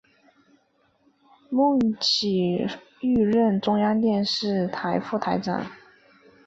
孟启予任中央电视台副台长。